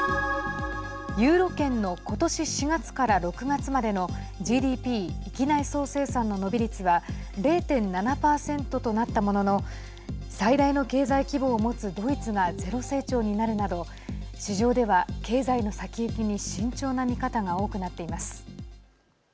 ユーロ圏のことし４月から６月までのＧＤＰ＝域内総生産の伸び率は０．７％となったものの最大の経済規模を持つドイツがゼロ成長になるなど市場では、経済の先行きに慎重な見方が多くなっています。